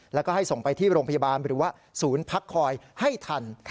แล้วก็ให้ส่งไปที่โรงพยาบาลหรือว่าศูนย์พักคอยให้ทัน